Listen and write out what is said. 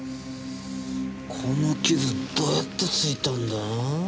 この傷どうやってついたんだ？